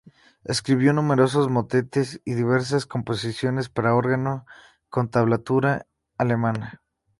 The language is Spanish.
Escribió numerosos motetes y diversas composiciones para órgano, con tablatura alemana.